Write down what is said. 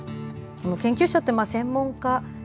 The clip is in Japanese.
研究者って専門家